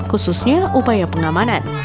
khususnya upaya pengamanan